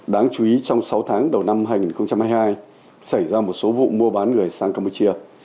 đáng chú ý trong sáu tháng đầu năm hai nghìn hai mươi hai xảy ra một số vụ mua bán người sang campuchia